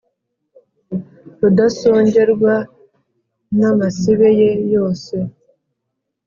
Rudasongerwa n' amasibe ye yose